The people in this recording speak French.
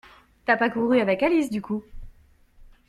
T'as pas couru avec Alice du coup?